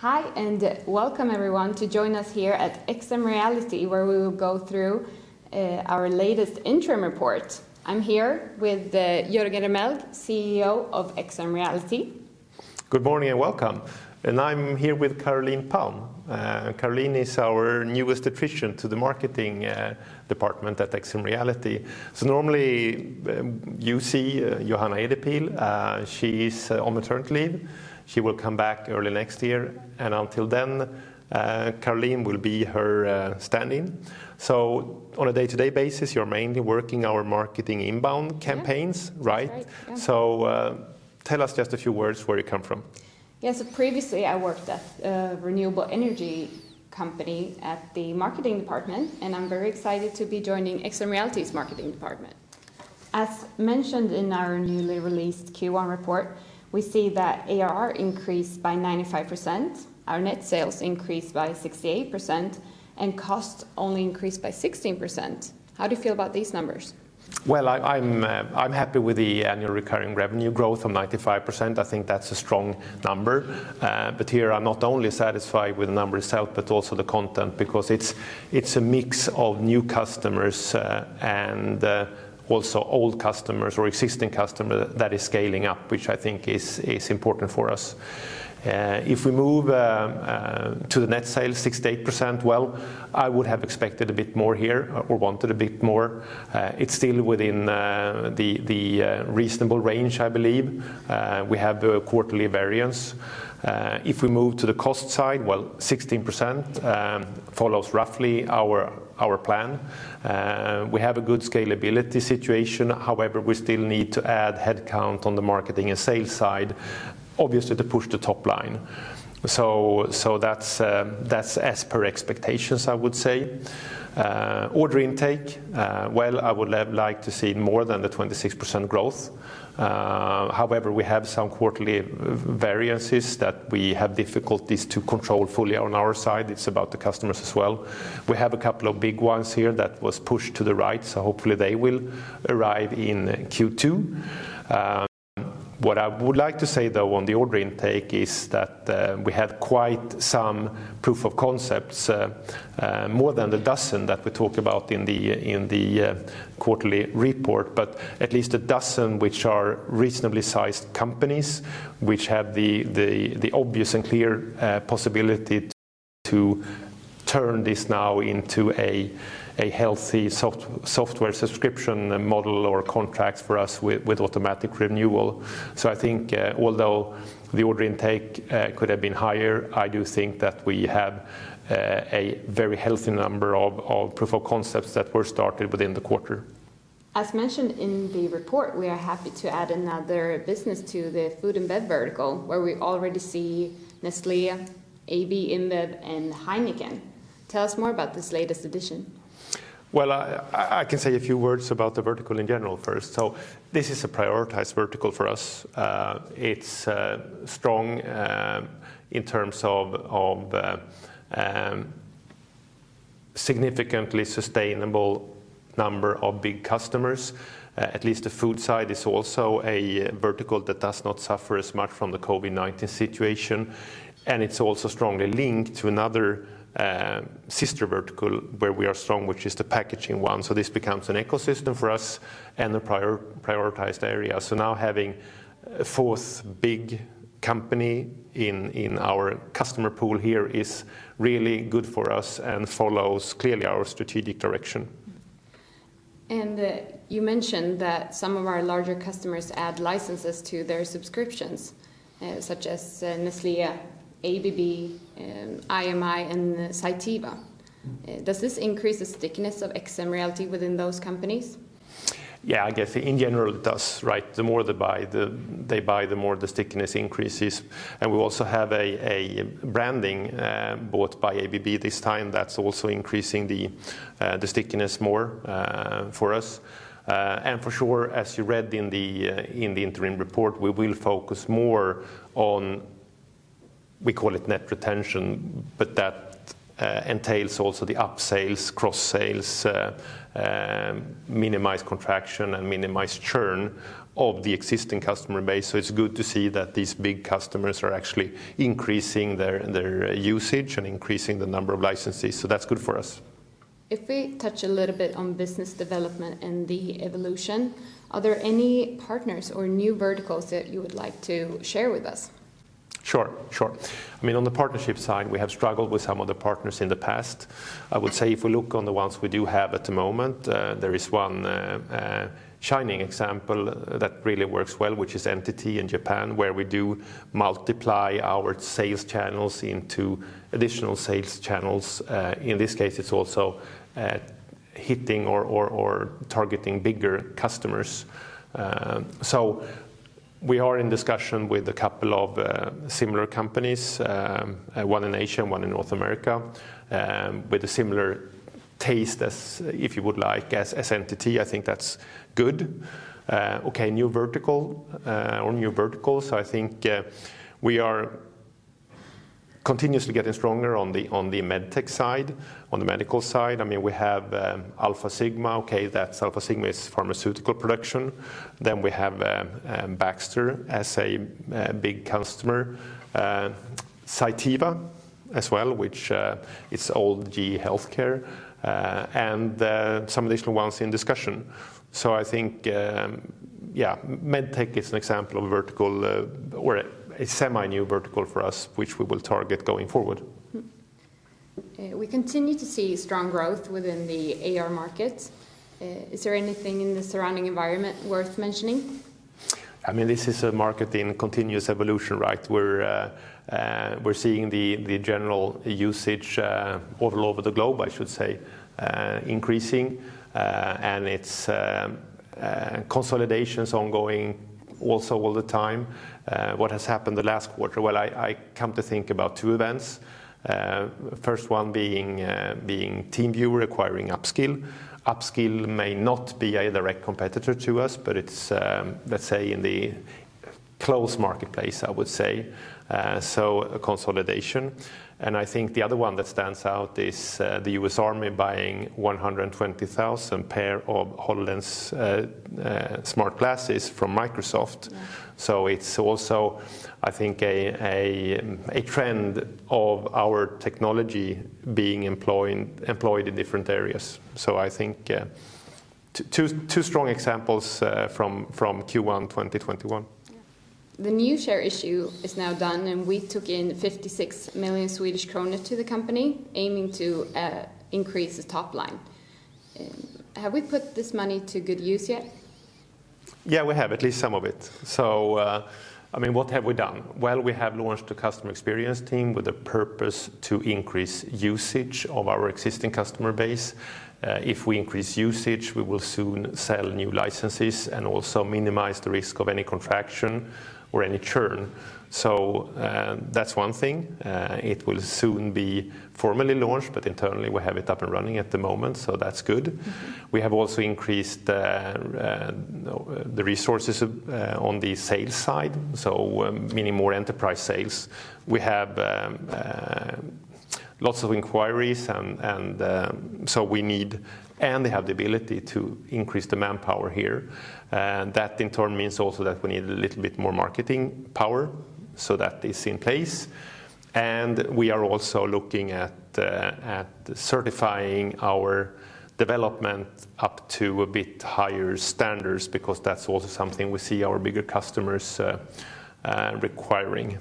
Hi, welcome everyone to join us here at XMReality, where we will go through our latest interim report. I'm here with Jörgen Remmelg, CEO of XMReality. Good morning, welcome. I'm here with Caroline Palm. Caroline is our newest addition to the marketing department at XMReality. Normally you see Johanna Edepil. She is on maternity leave. She will come back early next year, and until then, Caroline will be her stand-in. On a day-to-day basis, you're mainly working our marketing inbound campaigns, right? That's right, yeah. Tell us just a few words where you come from. Yes. Previously I worked at a renewable energy company at the marketing department. I'm very excited to be joining XMReality's marketing department. As mentioned in our newly released Q1 report, we see that ARR increased by 95%. Our net sales increased by 68%. Costs only increased by 16%. How do you feel about these numbers? I'm happy with the annual recurring revenue growth of 95%. I think that's a strong number. Here I'm not only satisfied with the number itself, but also the content, because it's a mix of new customers and also old customers or existing customers that is scaling up, which I think is important for us. If we move to the net sales, 68%, I would have expected a bit more here or wanted a bit more. It's still within the reasonable range, I believe. We have quarterly variance. If we move to the cost side, 16% follows roughly our plan. We have a good scalability situation. However, we still need to add headcount on the marketing and sales side, obviously to push the top line. That's as per expectations, I would say. Order intake, I would like to see more than the 26% growth. We have some quarterly variances that we have difficulties to control fully on our side. It's about the customers as well. We have a couple of big ones here that was pushed to the right, hopefully they will arrive in Q2. What I would like to say though on the order intake is that we have quite some proof of concepts, more than the dozen that we talk about in the quarterly report. At least a dozen, which are reasonably sized companies, which have the obvious and clear possibility to turn this now into a healthy software subscription model or contracts for us with automatic renewal. I think although the order intake could have been higher, I do think that we have a very healthy number of proof of concepts that were started within the quarter. As mentioned in the report, we are happy to add another business to the food and bev vertical, where we already see Nestlé, AB InBev, and Heineken. Tell us more about this latest addition. Well, I can say a few words about the vertical in general first. This is a prioritized vertical for us. It's strong in terms of significantly sustainable number of big customers. At least the food side is also a vertical that does not suffer as much from the COVID-19 situation, and it's also strongly linked to another sister vertical where we are strong, which is the packaging one. This becomes an ecosystem for us and a prioritized area. Now having a fourth big company in our customer pool here is really good for us and follows clearly our strategic direction. You mentioned that some of our larger customers add licenses to their subscriptions, such as Nestlé, ABB, IMI, and Cytiva. Does this increase the stickiness of XMReality within those companies? Yeah, I guess in general it does, right? The more they buy, the more the stickiness increases. We also have a branding bought by ABB this time that's also increasing the stickiness more for us. For sure, as you read in the interim report, we will focus more on, we call it net retention, but that entails also the upsells, cross-sells, minimize contraction, and minimize churn of the existing customer base. It's good to see that these big customers are actually increasing their usage and increasing the number of licenses. That's good for us. If we touch a little bit on business development and the evolution, are there any partners or new verticals that you would like to share with us? Sure. On the partnership side, we have struggled with some of the partners in the past. I would say if we look on the ones we do have at the moment, there is one shining example that really works well, which is NTT in Japan, where we do multiply our sales channels into additional sales channels. In this case, it's also hitting or targeting bigger customers. We are in discussion with a couple of similar companies, one in Asia and one in North America, with a similar taste as, if you would like, as NTT. I think that's good. New vertical or new verticals. I think we are continuously getting stronger on the med tech side, on the medical side. We have Alfasigma. Alfasigma is pharmaceutical production. We have Baxter as a big customer. Cytiva as well, which is old GE Healthcare, and some additional ones in discussion. I think med tech is an example of a vertical, or a semi-new vertical for us, which we will target going forward. We continue to see strong growth within the AR market. Is there anything in the surrounding environment worth mentioning? This is a market in continuous evolution. We're seeing the general usage all over the globe, I should say, increasing, and consolidation's ongoing also all the time. What has happened the last quarter? Well, I come to think about two events, first one being TeamViewer acquiring Upskill. Upskill may not be a direct competitor to us, but it's in the close marketplace, I would say. A consolidation. I think the other one that stands out is the U.S. Army buying 120,000 pair of HoloLens smart glasses from Microsoft. It's also, I think, a trend of our technology being employed in different areas. I think two strong examples from Q1 2021. The new share issue is now done, and we took in 56 million Swedish krona to the company, aiming to increase the top line. Have we put this money to good use yet? Yeah, we have. At least some of it. What have we done? Well, we have launched a customer experience team with a purpose to increase usage of our existing customer base. If we increase usage, we will soon sell new licenses and also minimize the risk of any contraction or any churn. That's one thing. It will soon be formally launched, but internally, we have it up and running at the moment, that's good. We have also increased the resources on the sales side, meaning more enterprise sales. We have lots of inquiries, and they have the ability to increase the manpower here. That, in turn, means also that we need a little bit more marketing power, that is in place. We are also looking at certifying our development up to a bit higher standards, because that's also something we see our bigger customers requiring.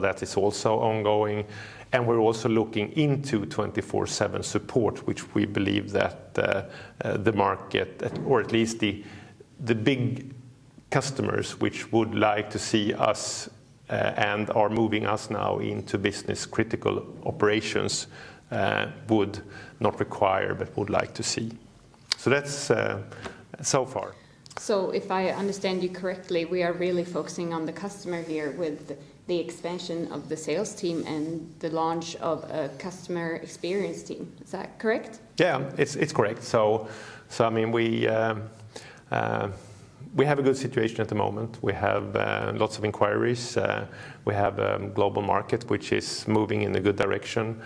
That is also ongoing. We're also looking into 24/7 support, which we believe that the market, or at least the big customers which would like to see us and are moving us now into business-critical operations, would, not require, but would like to see. That's so far. If I understand you correctly, we are really focusing on the customer here with the expansion of the sales team and the launch of a customer experience team. Is that correct? Yeah, it's correct. We have a good situation at the moment. We have lots of inquiries. We have a global market which is moving in a good direction.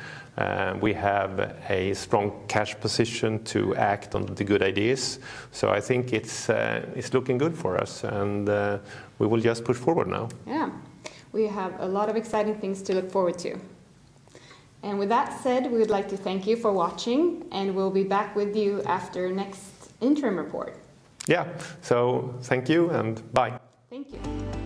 We have a strong cash position to act on the good ideas. I think it's looking good for us, and we will just push forward now. Yeah. We have a lot of exciting things to look forward to. With that said, we would like to thank you for watching, and we'll be back with you after next interim report. Yeah. Thank you, and bye. Thank you.